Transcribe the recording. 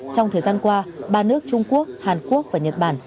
trong thời gian qua ba nước trung quốc hàn quốc và nhật bản